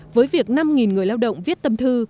với việc năm người lao động viết tâm thư